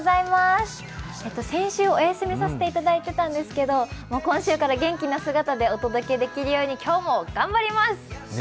先週、お休みさせていただいていたんですけど、今週から元気な姿でお届けできるように今日も頑張ります！